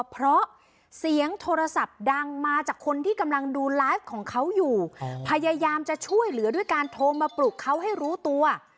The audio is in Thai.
เขาอยู่พยายามจะช่วยเหลือด้วยการโทรมาปลูกเขาให้รู้ตัว